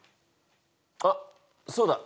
あっそうだ！